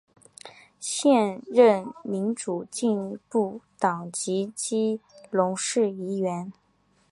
现任民主进步党籍基隆市议员。